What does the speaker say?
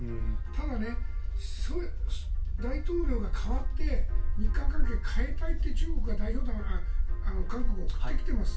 ただ、大統領が代わって日韓関係を変えたいといって代表団を韓国に送ってきています。